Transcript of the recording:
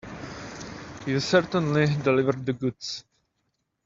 You certainly delivered the goods.